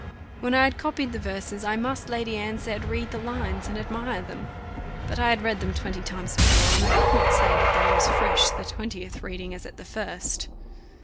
When I had copied the verses I must, Lady Anne said, read the lines, and admire them. But I had read them twenty times before, and I could not say that they were as fresh the twentieth reading as at the first.